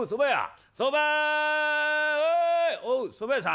「おうそば屋さん」。